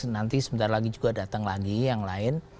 nanti sebentar lagi juga datang lagi yang lain